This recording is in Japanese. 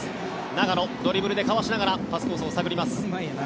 長野、ドリブルでかわしながらパスコースを探します。